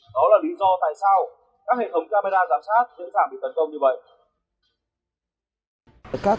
đó là lý do tại sao các hệ thống camera giám sát dễ dàng bị tấn công như vậy